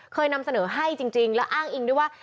เคยนำเสนอให้จริงแล้วอ้างอิงด้วยว่า